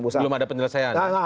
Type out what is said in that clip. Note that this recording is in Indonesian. belum ada penyelesaian